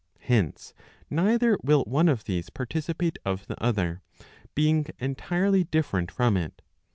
Hence neither will one of these participate of the other, being entirely different from it.